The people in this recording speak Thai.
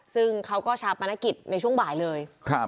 ซึ่งเขาก็ชาปนกิจในช่วงบ่ายเลย